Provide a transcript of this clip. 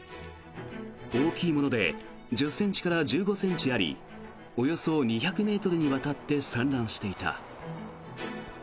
大きいもので１０ｃｍから１５ｃｍありおよそ２００ｍにわたって散乱していた。